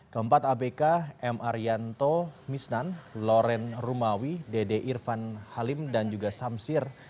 keempat abk m arianto misnan loren rumawi dede irfan halim dan juga samsir